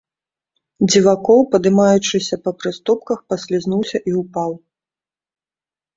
Дзівакоў, паднімаючыся па прыступках, паслізнуўся і ўпаў.